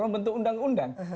itu bentuk undang undang